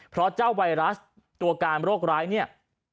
เพราะเจ้าไวรัสตัวการโรคร้ายเนี่ย